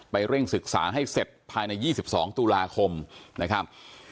เร่งศึกษาให้เสร็จภายใน๒๒ตุลาคมนะครับ